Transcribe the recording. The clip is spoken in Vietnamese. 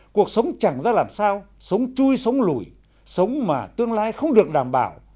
cuộc sống chẳng ra làm sao sống chui sống lùi sống mà tương lai không được đảm bảo